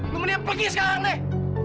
lu mendingan pergi sekarang nih